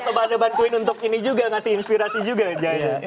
atau pada bantuin untuk ini juga ngasih inspirasi juga jayanya